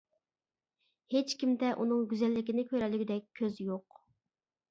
ھېچكىمدە ئۇنىڭ گۈزەللىكىنى كۆرەلىگۈدەك كۆز يوق.